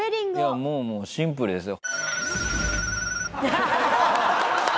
いやもうもうシンプルですよ。